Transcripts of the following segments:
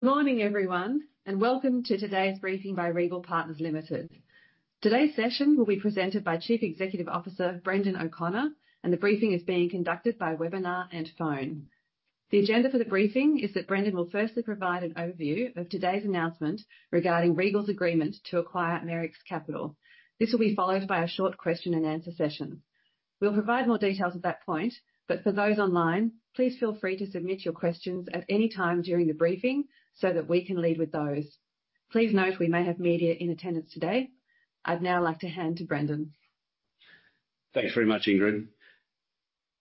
Good morning, everyone, and welcome to today's briefing by Regal Partners Limited. Today's session will be presented by Chief Executive Officer, Brendan O'Connor, and the briefing is being conducted by webinar and phone. The agenda for the briefing is that Brendan will firstly provide an overview of today's announcement regarding Regal's agreement to acquire Merricks Capital. This will be followed by a short question and answer session. We'll provide more details at that point, but for those online, please feel free to submit your questions at any time during the briefing so that we can lead with those. Please note we may have media in attendance today. I'd now like to hand to Brendan. Thanks very much, Ingrid.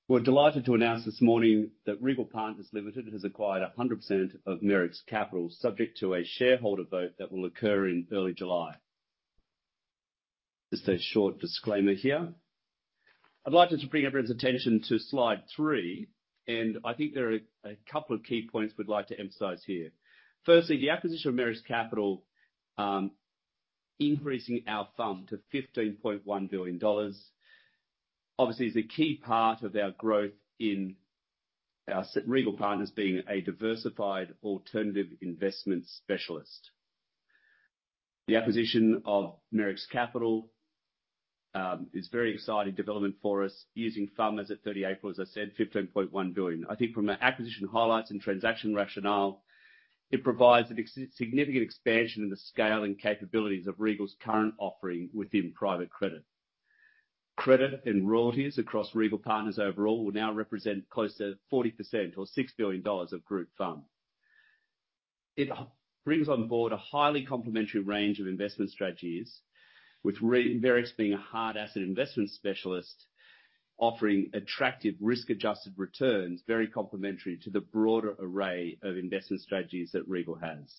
We're delighted to announce this morning that Regal Partners Limited has acquired 100% of Merricks Capital, subject to a shareholder vote that will occur in early July. Just a short disclaimer here. I'd like us to bring everyone's attention to slide three, and I think there are a couple of key points we'd like to emphasize here. Firstly, the acquisition of Merricks Capital, increasing our FUM to 15.1 billion dollars, obviously is a key part of our growth, Regal Partners being a diversified alternative investment specialist. The acquisition of Merricks Capital is a very exciting development for us using FUM as at 30 April, as I said, 15.1 billion. I think from an acquisition highlights and transaction rationale, it provides a significant expansion in the scale and capabilities of Regal's current offering within private credit. Credit and royalties across Regal Partners overall will now represent close to 40% or 6 billion dollars of group FUM. It brings on board a highly complimentary range of investment strategies, with Merricks being a hard asset investment specialist, offering attractive risk-adjusted returns, very complimentary to the broader array of investment strategies that Regal has.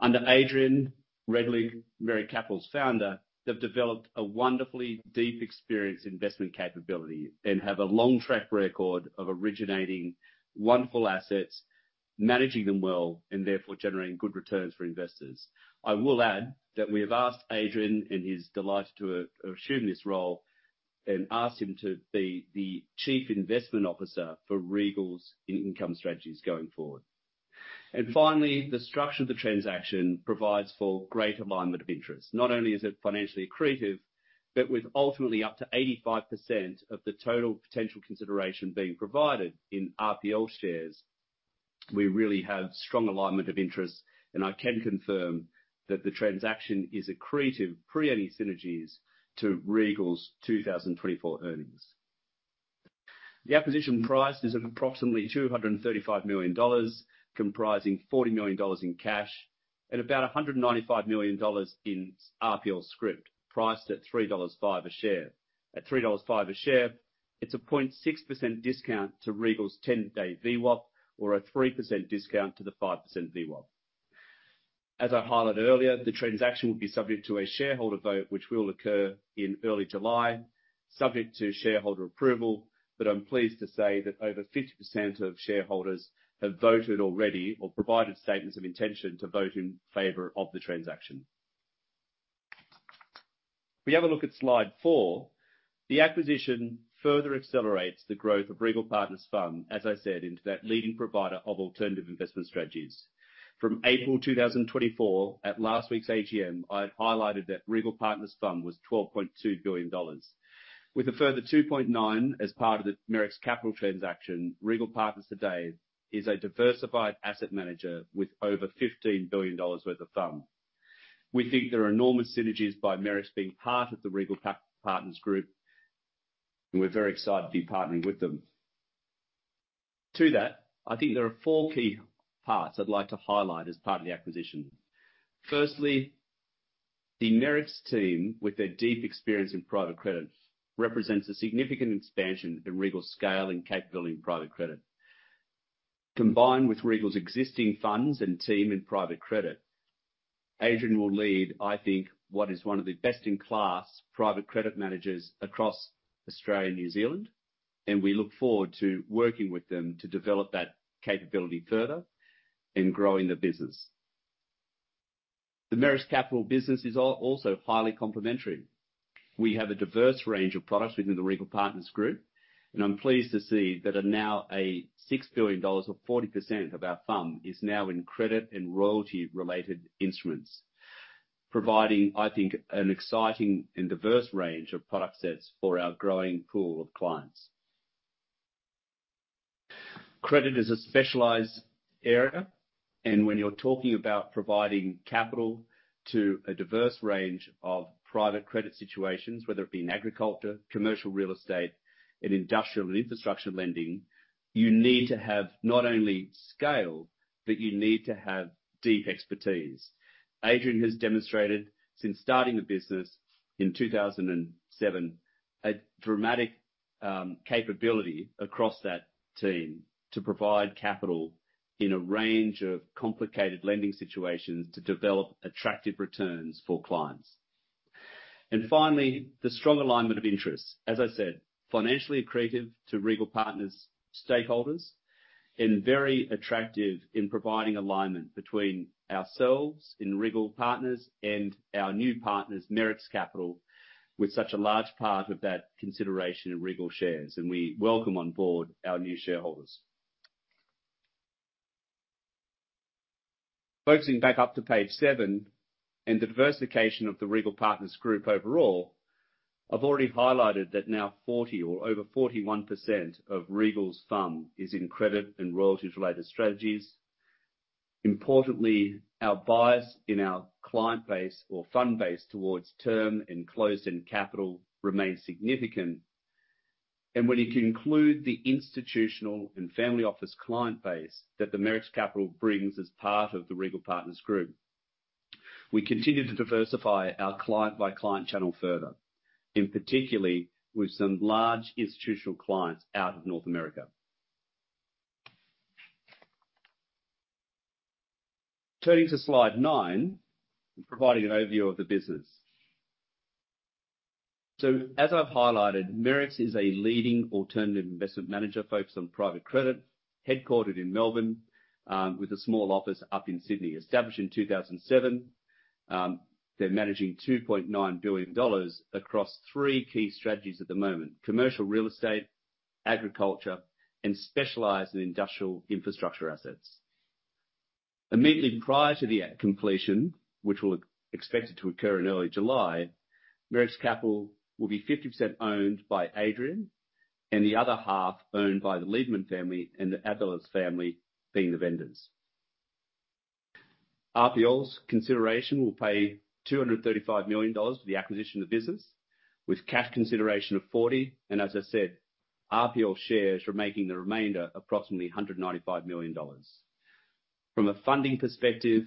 Under Adrian Redlich, Merricks Capital's founder, they've developed a wonderfully deep experience in investment capability and have a long track record of originating wonderful assets, managing them well, and therefore generating good returns for investors. I will add, that we have asked Adrian, and he's delighted to assume this role, and asked him to be the Chief Investment Officer for Regal's income strategies going forward. Finally, the structure of the transaction provides for great alignment of interests. Not only is it financially accretive, but with ultimately up to 85% of the total potential consideration being provided in RPL shares, we really have strong alignment of interests, and I can confirm that the transaction is accretive, pre any synergies, to Regal's 2024 earnings. The acquisition price is approximately 235 million dollars, comprising 40 million dollars in cash and about 195 million dollars in RPL scrip, priced at 3.05 dollars a share. At 3.05 dollars a share, it's a 0.6% discount to Regal's 10-day VWAP, or a 3% discount to the five-day VWAP. As I highlighted earlier, the transaction will be subject to a shareholder vote, which will occur in early July, subject to shareholder approval, but I'm pleased to say that over 50% of shareholders have voted already or provided statements of intention to vote in favor of the transaction. If we have a look at slide four, the acquisition further accelerates the growth of Regal Partners FUM, as I said, into that leading provider of alternative investment strategies. From April 2024, at last week's AGM, I had highlighted that Regal Partners FUM was 12.2 billion dollars. With a further 2.9 billion as part of the Merricks Capital transaction, Regal Partners today is a diversified asset manager with over 15 billion dollars worth of FUM. We think there are enormous synergies by Merricks Capital being part of the Regal Partners Group, and we're very excited to be partnering with them. To that, I think there are four key parts I'd like to highlight as part of the acquisition. Firstly, the Merricks Capital Team, with their deep experience in private credit, represents a significant expansion in Regal's scale and capability in private credit. Combined with Regal's existing funds and team in private credit, Adrian will lead, I think, what is one of the best-in-class private credit managers across Australia and New Zealand, and we look forward to working with them to develop that capability further in growing the business. The Merricks Capital business is also highly complementary. We have a diverse range of products within the Regal Partners Group, and I'm pleased to see that are now 6 billion dollars or 40% of our FUM is now in credit and royalty-related instruments, providing, I think, an exciting and diverse range of product sets for our growing pool of clients. Credit is a specialized area, and when you're talking about providing capital to a diverse range of private credit situations, whether it be in agriculture, commercial real estate, and industrial and infrastructure lending, you need to have not only scale, but you need to have deep expertise. Adrian has demonstrated, since starting the business in 2007, a dramatic, capability across that team to provide capital in a range of complicated lending situations to develop attractive returns for clients. And finally, the strong alignment of interests, as I said, financially accretive to Regal Partners' stakeholders, and very attractive in providing alignment between ourselves in Regal Partners and our new partners, Merricks Capital, with such a large part of that consideration in Regal shares, and we welcome on board our new shareholders... Focusing back up to page seven and diversification of the Regal Partners Group overall, I've already highlighted that now 40 or over 41% of Regal's FUM is in credit and royalties-related strategies. Importantly, our bias in our client base or fund base towards term and closed-end capital remains significant. And when you can include the institutional and family office client base that the Merricks Capital brings as part of the Regal Partners Group, we continue to diversify our client by client channel further, and particularly with some large institutional clients out of North America. Turning to slide nine, providing an overview of the business. So, as I've highlighted, Merricks Capital is a leading alternative investment manager focused on private credit, headquartered in Melbourne, with a small office up in Sydney. Established in 2007, they're managing 2.9 billion dollars across three key strategies at the moment: commercial real estate, agriculture, and specialized and industrial infrastructure assets. Immediately prior to the acquisition, which is expected to occur in early July, Merricks Capital will be 50% owned by Adrian, and the other half owned by the Liberman family and the Abeles family, being the vendors. RPL's consideration will be 235 million dollars for the acquisition of the business, with cash consideration of 40 million, and as I said, RPL shares are making the remainder approximately 195 million dollars. From a funding perspective,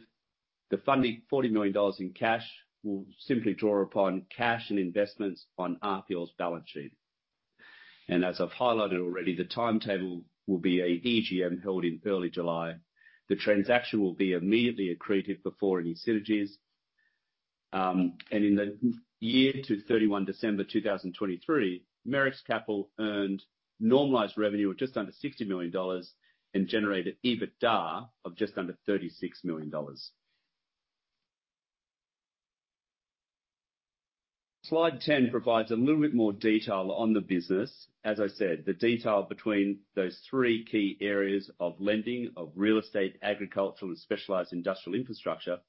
the funding, 40 million dollars in cash, will simply draw upon cash and investments on RPL's balance sheet. As I've highlighted already, the timetable will be an EGM held in early July. The transaction will be immediately accretive before any synergies. In the year to 31 December 2023, Merricks Capital earned normalized revenue of just under 60 million dollars and generated EBITDA of just under 36 million dollars. Slide 10 provides a little bit more detail on the business. As I said, the detail between those three key areas of lending, of real estate, agricultural, and specialized industrial infrastructure.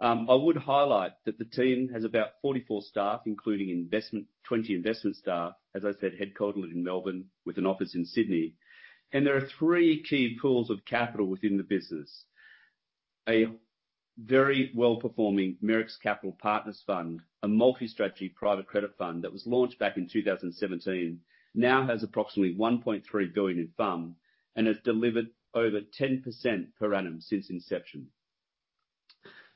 I would highlight that the team has about 44 staff, including 20 investment staff, as I said, headquartered in Melbourne with an office in Sydney. There are three key pools of capital within the business. A very well-performing Merricks Capital Partners Fund, a multi-strategy private credit fund that was launched back in 2017, now has approximately 1.3 billion in FUM and has delivered over 10% per annum since inception.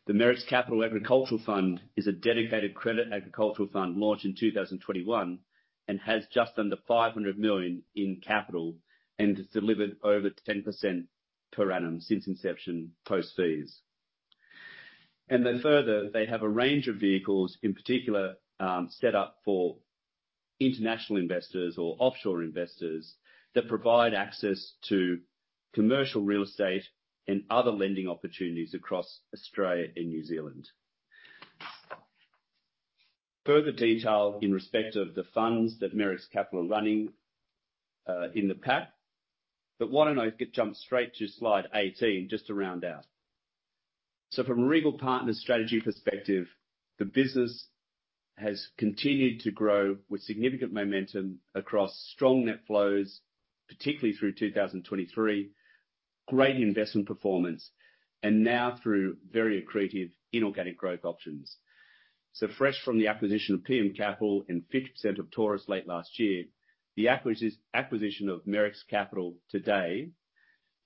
The Merricks Capital Agriculture Credit Fund is a dedicated credit agricultural fund launched in 2021, and has just under 500 million in capital, and it's delivered over 10% per annum since inception, post-fees. And then further, they have a range of vehicles, in particular, set up for international investors or offshore investors, that provide access to commercial real estate and other lending opportunities across Australia and New Zealand. Further detail in respect of the funds that Merricks Capital are running, in the pack. But why don't I jump straight to slide 18, just to round out? So from a Regal Partners strategy perspective, the business has continued to grow with significant momentum across strong net flows, particularly through 2023, great investment performance, and now through very accretive inorganic growth options. So fresh from the acquisition of PM Capital and 50% of Taurus late last year, the acquisition of Merricks Capital today,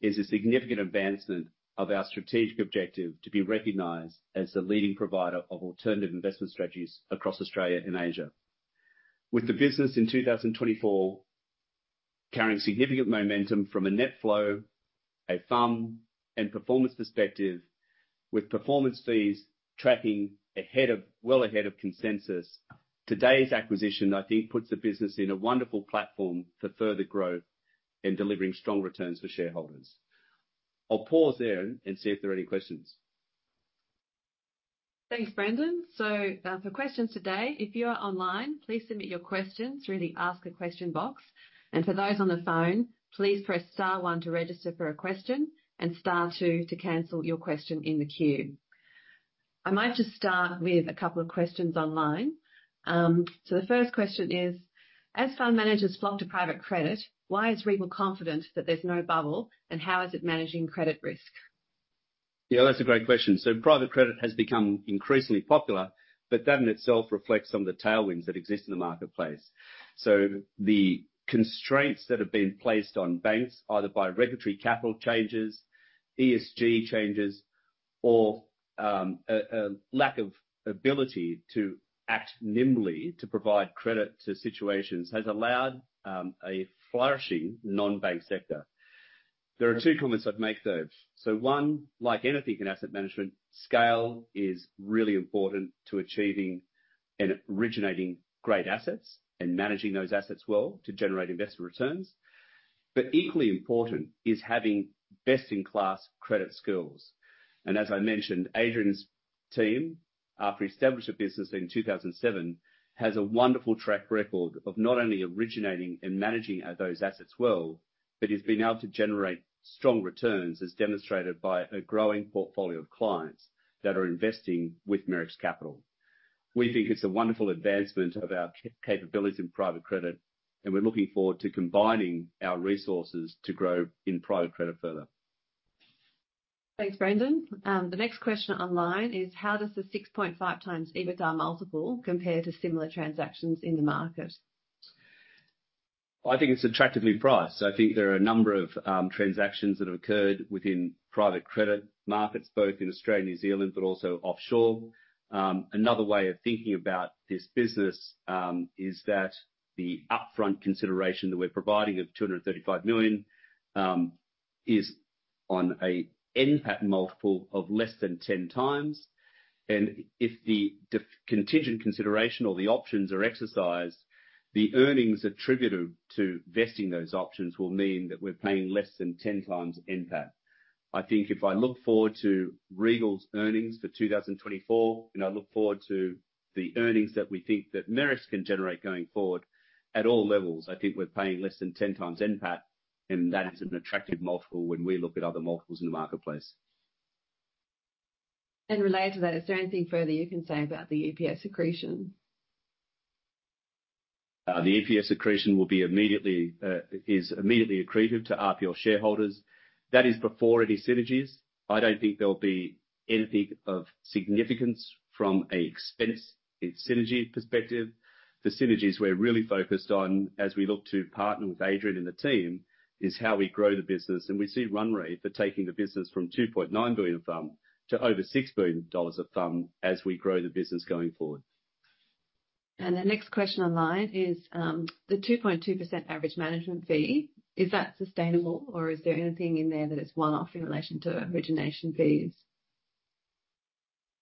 is a significant advancement of our strategic objective to be recognized as the leading provider of alternative investment strategies across Australia and Asia. With the business in 2024, carrying significant momentum from a net flow, a FUM, and performance perspective, with performance fees tracking ahead of-- well ahead of consensus, today's acquisition, I think, puts the business in a wonderful platform for further growth and delivering strong returns for shareholders. I'll pause there and see if there are any questions. Thanks, Brendan. So, for questions today, if you are online, please submit your questions through the Ask a Question box. And for those on the phone, please press star one to register for a question and star two to cancel your question in the queue. I might just start with a couple of questions online. So the first question is: As fund managers flock to private credit, why is Regal confident that there's no bubble, and how is it managing credit risk? Yeah, that's a great question. So private credit has become increasingly popular, but that in itself reflects some of the tailwinds that exist in the marketplace. So the constraints that have been placed on banks, either by regulatory capital changes, ESG changes, or a lack of ability to act nimbly to provide credit to situations, has allowed a flourishing non-bank sector. There are two comments I'd make, though. So one, like anything in asset management, scale is really important to achieving and originating great assets and managing those assets well to generate investor returns. But equally important is having best-in-class credit skills. And as I mentioned, Adrian's-... Team, after establishing a business in 2007, has a wonderful track record of not only originating and managing those assets well, but has been able to generate strong returns, as demonstrated by a growing portfolio of clients that are investing with Merricks Capital. We think it's a wonderful advancement of our capability in private credit, and we're looking forward to combining our resources to grow in private credit further. Thanks, Brendan. The next question online is: How does the 6.5x EBITDA multiple compare to similar transactions in the market? I think it's attractively priced. I think there are a number of transactions that have occurred within private credit markets, both in Australia and New Zealand, but also offshore. Another way of thinking about this business is that the upfront consideration that we're providing of 235 million is on a NPAT multiple of less than 10x. And if the contingent consideration or the options are exercised, the earnings attributed to vesting those options will mean that we're paying less than 10x NPAT. I think if I look forward to Regal's earnings for 2024, and I look forward to the earnings that we think that Merricks can generate going forward, at all levels, I think we're paying less than 10x NPAT, and that is an attractive multiple when we look at other multiples in the marketplace. Related to that, is there anything further you can say about the EPS accretion? The EPS accretion will be immediately, is immediately accretive to RPL shareholders. That is before any synergies. I don't think there'll be anything of significance from a expense and synergy perspective. The synergies we're really focused on as we look to partner with Adrian and the team, is how we grow the business, and we see run rate for taking the business from 2.9 billion FUM to over 6 billion dollars of FUM as we grow the business going forward. The next question online is: The 2.2 average management fee, is that sustainable, or is there anything in there that is one-off in relation to origination fees?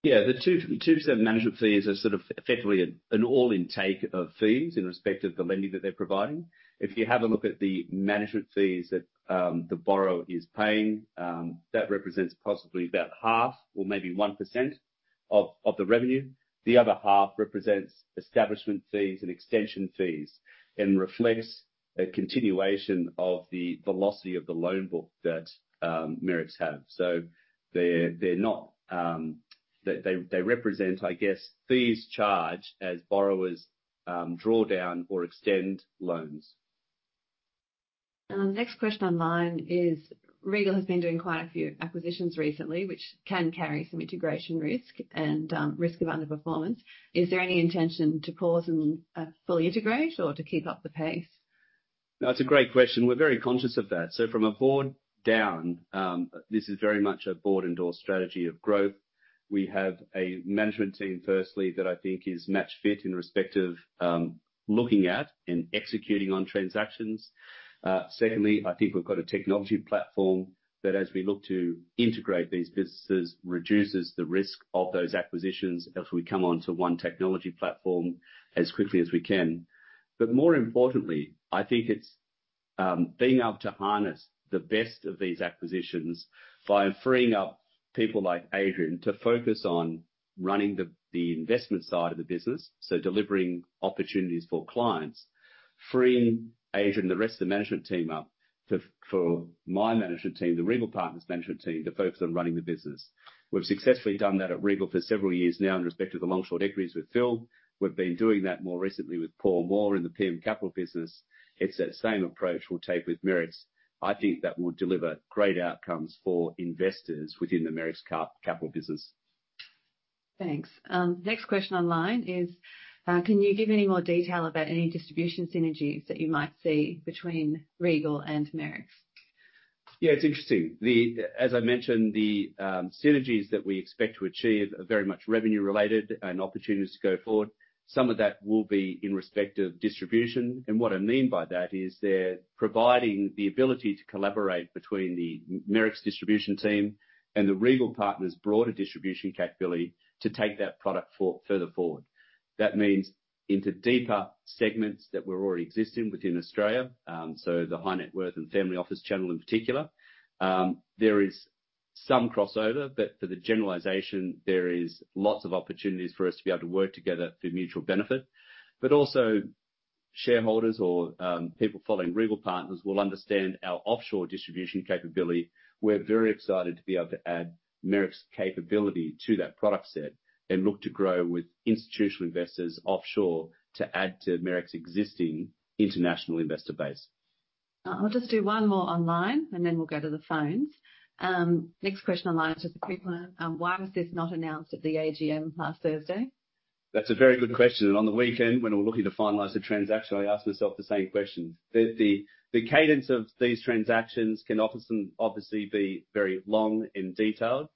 Yeah, the 2.2% management fees are sort of effectively an all-in take of fees in respect of the lending that they're providing. If you have a look at the management fees that the borrower is paying, that represents possibly about half or maybe 1% of the revenue. The other half represents establishment fees and extension fees, and reflects a continuation of the velocity of the loan book that Merricks have. So they're not... They represent, I guess, fees charged as borrowers draw down or extend loans. Next question online is: Regal has been doing quite a few acquisitions recently, which can carry some integration risk and, risk of underperformance. Is there any intention to pause and, fully integrate or to keep up the pace? That's a great question. We're very conscious of that. So from the board down, this is very much a board-endorsed strategy of growth. We have a management team, firstly, that I think is match fit in respect of looking at and executing on transactions. Secondly, I think we've got a technology platform that, as we look to integrate these businesses, reduces the risk of those acquisitions as we come onto one technology platform as quickly as we can. But more importantly, I think it's being able to harness the best of these acquisitions by freeing up people like Adrian to focus on running the investment side of the business, so delivering opportunities for clients. Freeing Adrian and the rest of the management team up to, for my management team, the Regal Partners management team, to focus on running the business. We've successfully done that at Regal for several years now in respect to the long, short equities with Phil. We've been doing that more recently with Paul Moore in the PM Capital business. It's that same approach we'll take with Merricks. I think that will deliver great outcomes for investors within the Merricks Capital business. Thanks. Next question online is: Can you give any more detail about any distribution synergies that you might see between Regal and Merricks? Yeah, it's interesting. As I mentioned, the synergies that we expect to achieve are very much revenue related and opportunities to go forward. Some of that will be in respect of distribution, and what I mean by that is they're providing the ability to collaborate between the Merricks distribution team and the Regal Partners' broader distribution capability to take that product further forward. That means into deeper segments that we're already existing within Australia, so the high net worth and family office channel in particular. There is some crossover, but for the generalization, there is lots of opportunities for us to be able to work together for mutual benefit. But also, shareholders or people following Regal Partners will understand our offshore distribution capability. We're very excited to be able to add Merricks's capability to that product set and look to grow with institutional investors offshore to add to Merricks's existing international investor base. I'll just do one more online, and then we'll go to the phones. Next question online is a quick one. Why was this not announced at the AGM last Thursday? That's a very good question, and on the weekend, when we were looking to finalize the transaction, I asked myself the same question. The cadence of these transactions can often obviously be very long and detailed.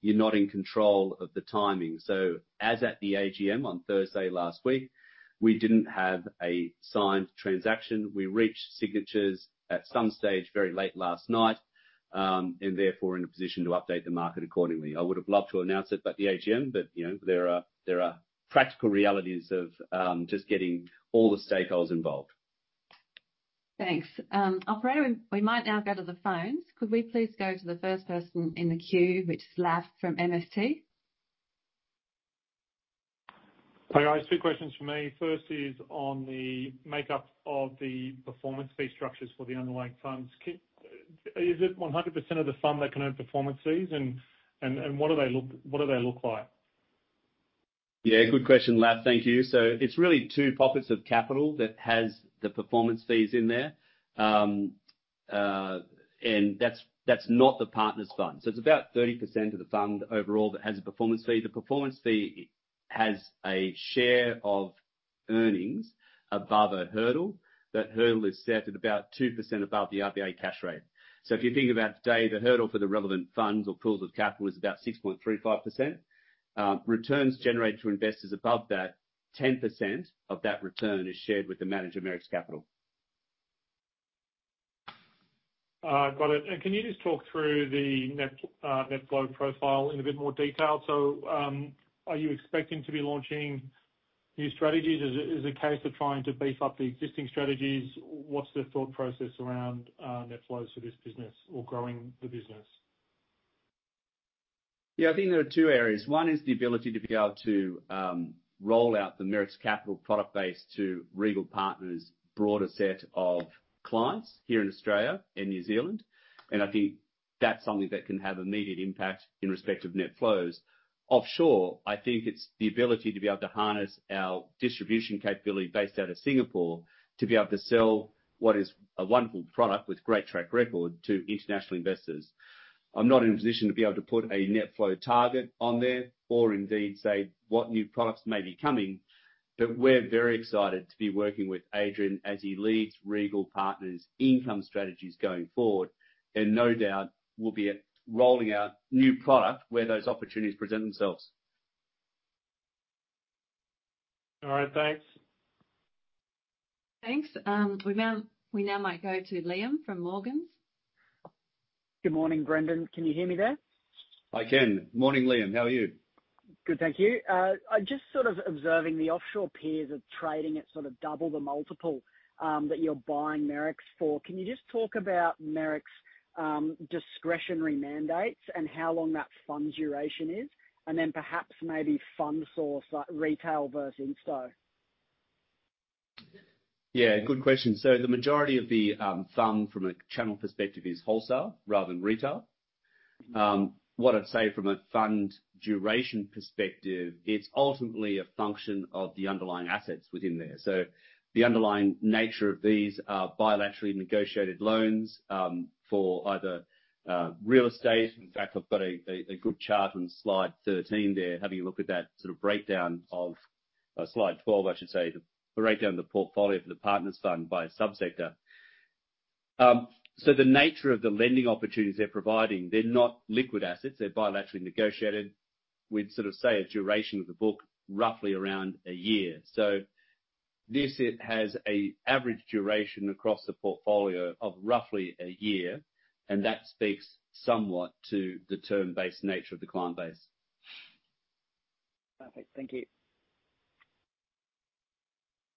You're not in control of the timing. So as at the AGM on Thursday last week, we didn't have a signed transaction. We reached signatures at some stage very late last night, and therefore, in a position to update the market accordingly. I would have loved to announce it at the AGM, but, you know, there are practical realities of just getting all the stakeholders involved.... Thanks. Operator, we might now go to the phones. Could we please go to the first person in the queue, which is Laf from MST? Hi, guys. Two questions from me. First is on the makeup of the performance fee structures for the underlying funds. Can, is it 100% of the fund that can earn performance fees? And what do they look like? Yeah, good question, Laf. Thank you. So it's really two pockets of capital that has the performance fees in there. And that's not the partners fund. So it's about 30% of the fund overall that has a performance fee. The performance fee has a share of earnings above a hurdle. That hurdle is set at about 2% above the RBA cash rate. So if you think about today, the hurdle for the relevant funds or pools of capital is about 6.35%. Returns generated to investors above that, 10% of that return is shared with the manager, Merricks Capital. Got it. And can you just talk through the net flow profile in a bit more detail? So, are you expecting to be launching new strategies? Is it a case of trying to beef up the existing strategies? What's the thought process around net flows for this business or growing the business? Yeah, I think there are two areas. One is the ability to be able to roll out the Merricks Capital product base to Regal Partners' broader set of clients here in Australia and New Zealand. And I think that's something that can have immediate impact in respect of net flows. Offshore, I think it's the ability to be able to harness our distribution capability based out of Singapore, to be able to sell what is a wonderful product with great track record to international investors. I'm not in a position to be able to put a net flow target on there or indeed say what new products may be coming, but we're very excited to be working with Adrian as he leads Regal Partners' income strategies going forward, and no doubt we'll be at rolling out new product where those opportunities present themselves. All right. Thanks. Thanks. We now might go to Liam from Morgans. Good morning, Brendan. Can you hear me there? I can. Morning, Liam. How are you? Good, thank you. I'm just sort of observing the offshore peers are trading at sort of double the multiple that you're buying Merricks for. Can you just talk about Merricks's discretionary mandates and how long that fund duration is? And then perhaps maybe fund source, like retail versus wholesale. Yeah, good question. So the majority of the fund from a channel perspective is wholesale rather than retail. What I'd say from a fund duration perspective, it's ultimately a function of the underlying assets within there. So the underlying nature of these are bilaterally negotiated loans for either real estate. In fact, I've got a good chart on slide 13 there, having a look at that sort of breakdown of slide 12, I should say, the breakdown of the portfolio for the partners fund by sub-sector. So the nature of the lending opportunities they're providing, they're not liquid assets, they're bilaterally negotiated with sort of, say, a duration of the book, roughly around a year. So this, it has an average duration across the portfolio of roughly a year, and that speaks somewhat to the term-based nature of the client base. Perfect. Thank you.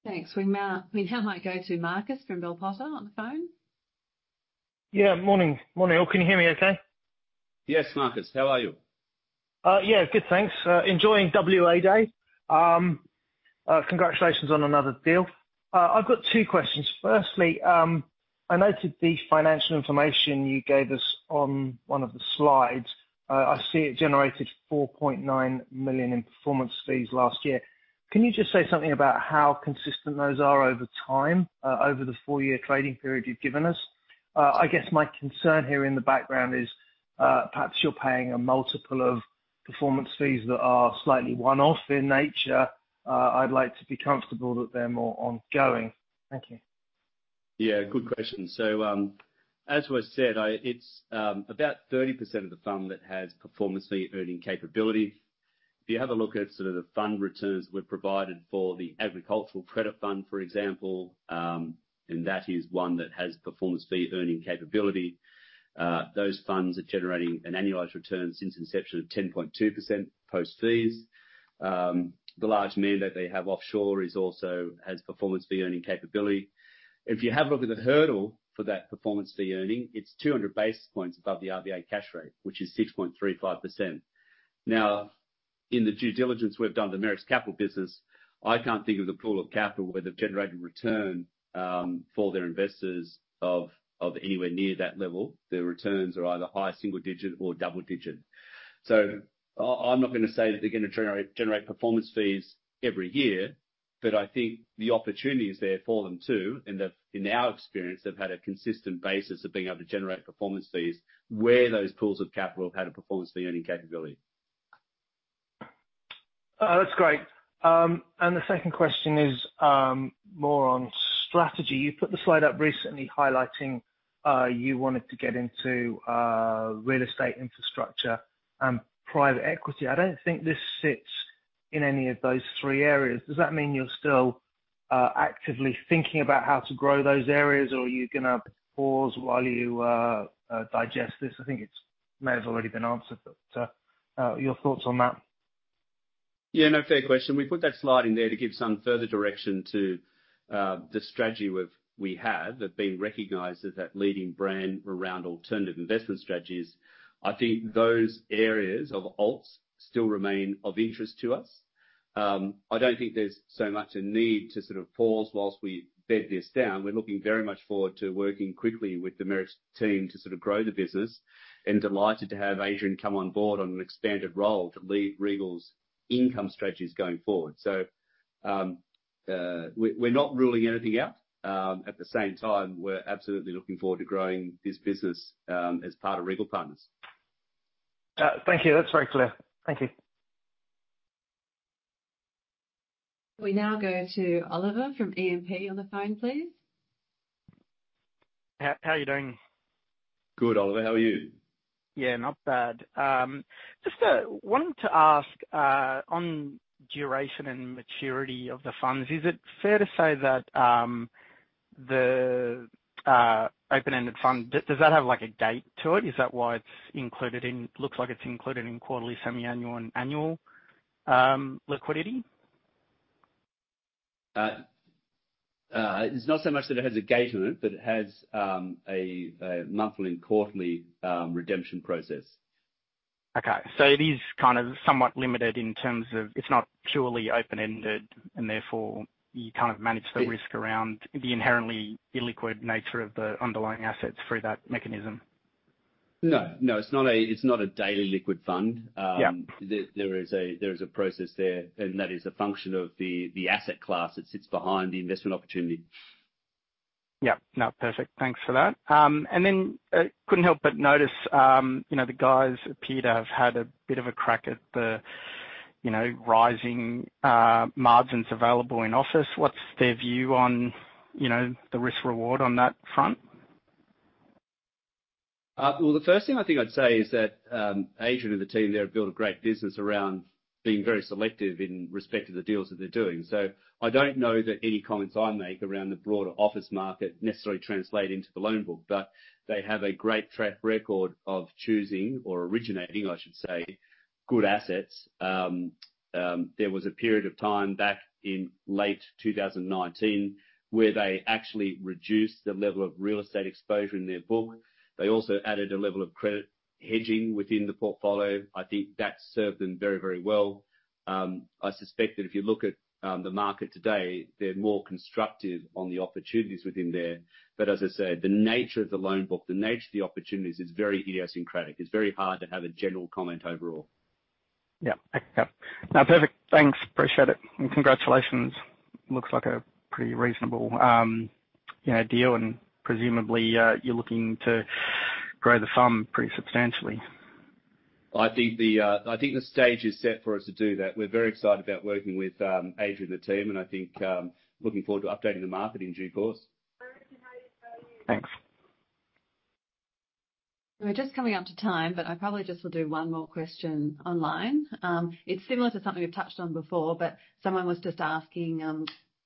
Thanks. We now might go to Marcus from Bell Potter on the phone. Yeah. Morning, morning all. Can you hear me okay? Yes, Marcus, how are you? Yeah, good, thanks. Enjoying WA Day. Congratulations on another deal. I've got two questions. Firstly, I noted the financial information you gave us on one of the slides. I see it generated 4.9 million in performance fees last year. Can you just say something about how consistent those are over time, over the four-year trading period you've given us? I guess my concern here in the background is, perhaps you're paying a multiple of performance fees that are slightly one-off in nature. I'd like to be comfortable that they're more ongoing. Thank you. Yeah, good question. So, as was said, it's about 30% of the fund that has performance fee earning capability. If you have a look at sort of the fund returns we've provided for the Agricultural Credit Fund, for example, and that is one that has performance fee earning capability, those funds are generating an annualized return since inception of 10.2% post-fees. The large mandate they have offshore is also has performance fee earning capability. If you have a look at the hurdle for that performance fee earning, it's 200 basis points above the RBA cash rate, which is 6.35%. Now, in the due diligence we've done with the Merricks Capital business, I can't think of a pool of capital where they've generated return for their investors of anywhere near that level. Their returns are either high single digit or double digit. So I'm not going to say that they're going to generate performance fees every year, but I think the opportunity is there for them to, and in our experience, they've had a consistent basis of being able to generate performance fees where those pools of capital have had a performance fee-earning capability. That's great. And the second question is more on strategy. You put the slide up recently highlighting you wanted to get into real estate infrastructure and private equity. I don't think this sits in any of those three areas. Does that mean you're still actively thinking about how to grow those areas, or are you going to pause while you digest this? I think it may have already been answered, but your thoughts on that?... Yeah, no, fair question. We put that slide in there to give some further direction to the strategy we have of being recognized as that leading brand around alternative investment strategies. I think those areas of alts still remain of interest to us. I don't think there's so much a need to sort of pause whilst we bed this down. We're looking very much forward to working quickly with the Merricks' team to sort of grow the business, and delighted to have Adrian come on board on an expanded role to lead Regal's income strategies going forward. So, we're not ruling anything out. At the same time, we're absolutely looking forward to growing this business as part of Regal Partners. Thank you. That's very clear. Thank you. We now go to Olivier from E&P on the phone, please. How are you doing? Good, Olivier. How are you? Yeah, not bad. Just wanted to ask on duration and maturity of the funds, is it fair to say that the open-ended fund does that have, like, a date to it? Is that why it's included in, looks like it's included in quarterly, semiannual, and annual liquidity? It's not so much that it has a date to it, but it has a monthly and quarterly redemption process. Okay. So it is kind of somewhat limited in terms of it's not purely open-ended, and therefore you can't manage the risk- Y- around the inherently illiquid nature of the underlying assets through that mechanism. No. No, it's not a, it's not a daily liquid fund. Yeah. There is a process there, and that is a function of the asset class that sits behind the investment opportunity. Yeah. No, perfect. Thanks for that. And then, couldn't help but notice, you know, the guys appear to have had a bit of a crack at the, you know, rising margins available in office. What's their view on, you know, the risk-reward on that front? Well, the first thing I think I'd say is that, Adrian and the team there have built a great business around being very selective in respect to the deals that they're doing. So I don't know that any comments I make around the broader office market necessarily translate into the loan book, but they have a great track record of choosing or originating, I should say, good assets. There was a period of time back in late 2019 where they actually reduced the level of real estate exposure in their book. They also added a level of credit hedging within the portfolio. I think that's served them very, very well. I suspect that if you look at the market today, they're more constructive on the opportunities within there. As I said, the nature of the loan book, the nature of the opportunities is very idiosyncratic. It's very hard to have a general comment overall. Yeah. Yeah. No, perfect. Thanks. Appreciate it, and congratulations. Looks like a pretty reasonable, you know, deal, and presumably, you're looking to grow the sum pretty substantially. I think the stage is set for us to do that. We're very excited about working with Adrian and the team, and I think looking forward to updating the market in due course. Thanks. We're just coming up to time, but I probably just will do one more question online. It's similar to something we've touched on before, but someone was just asking,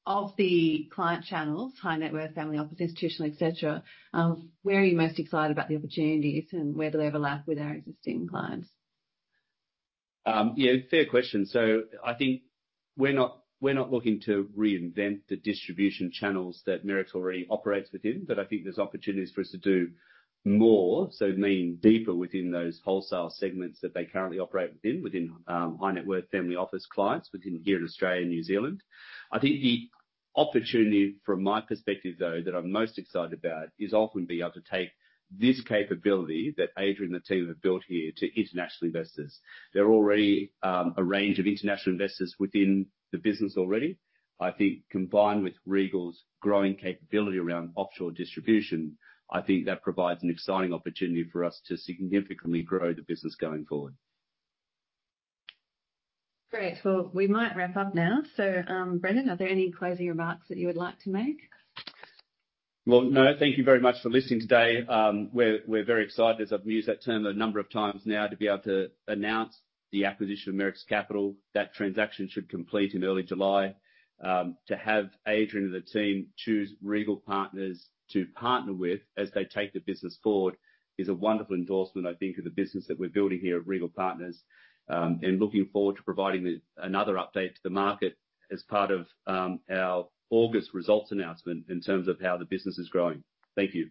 of the client channels, high net worth, family office, institutional, et cetera, where are you most excited about the opportunities, and where do they overlap with our existing clients? Yeah, fair question. So I think we're not, we're not looking to reinvent the distribution channels that Merricks already operates within, but I think there's opportunities for us to do more, so lean deeper within those wholesale segments that they currently operate within, within, high-net-worth family office clients within here in Australia and New Zealand. I think the opportunity from my perspective, though, that I'm most excited about, is often being able to take this capability that Adrian and the team have built here to international investors. There are already, a range of international investors within the business already. I think combined with Regal's growing capability around offshore distribution, I think that provides an exciting opportunity for us to significantly grow the business going forward. Great. Well, we might wrap up now. So, Brendan, are there any closing remarks that you would like to make? Well, no. Thank you very much for listening today. We're very excited, as I've used that term a number of times now, to be able to announce the acquisition of Merricks Capital. That transaction should complete in early July. To have Adrian and the team choose Regal Partners to partner with as they take the business forward is a wonderful endorsement, I think, of the business that we're building here at Regal Partners. Looking forward to providing another update to the market as part of our August results announcement in terms of how the business is growing. Thank you.